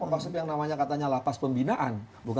konsep yang namanya katanya lapas pembinaan